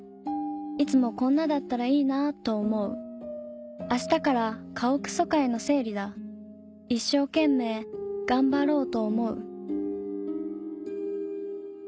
「いつもこんなだったらいいなあと思ふ」「明日から家屋疎開の整理だ一生懸命がんばろうと思ふ」